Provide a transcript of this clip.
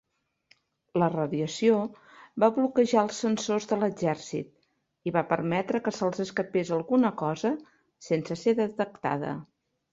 La radiació va bloquejar els sensors de l'exèrcit i va permetre que se'ls escapés alguna cosa sense ser detectada.